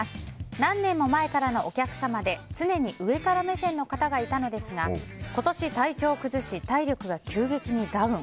何年も前からのお客様で常に上から目線の方がいたのですが、今年体調を崩し体力が急激にダウン。